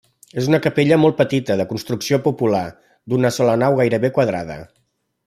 És una capella molt petita, de construcció popular, d'una sola nau gairebé quadrada.